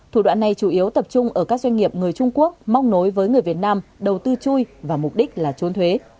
thủ đoạn này chủ yếu tập trung ở các doanh nghiệp người trung quốc móc nối với người việt nam đầu tư chui và mục đích là trốn thuế